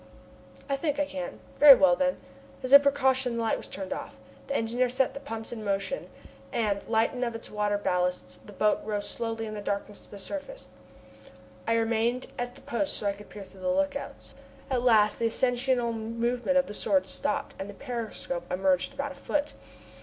"I think I can." "Very well, then." As a precaution the light was turned off. The engineer set the pumps in motion, and, lightened of its water ballast, the boat slowly rose in the darkness to the surface. I remained at my post so that I could peer through the lookouts. At last the ascensional movement of the Sword stopped, and the periscope emerged about a foot.